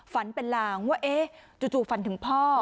ฝันเป็นลางว่าเอ๊ะจู่ฝันถึงพ่อ